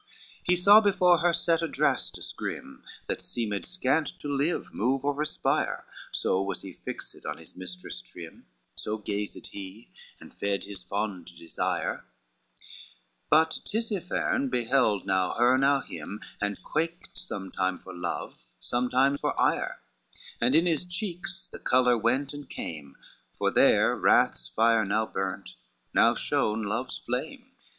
LXVIII He saw before her set Adrastus grim, That seemed scant to live, move, or respire, So was he fixed on his mistress trim, So gazed he, and fed his fond desire; But Tisiphern beheld now her now him, And quaked sometime for love, sometime for ire, And in his cheeks the color went and came, For there wrath's fire now burnt, now shone love's flame.